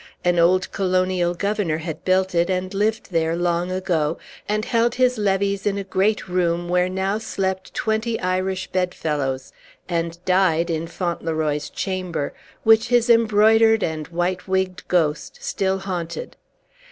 An old colonial governor had built it, and lived there, long ago, and held his levees in a great room where now slept twenty Irish bedfellows; and died in Fauntleroy's chamber, which his embroidered and white wigged ghost still haunted.